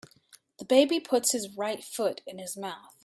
The baby puts his right foot in his mouth.